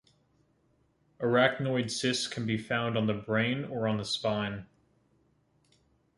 Arachnoid cysts can be found on the brain or on the spine.